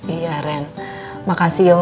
iya ren makasih yo